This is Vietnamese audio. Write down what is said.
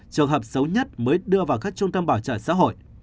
trường hợp xấu nhất mới đưa vào các trung tâm bảo trợ xã hội